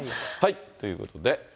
ということで。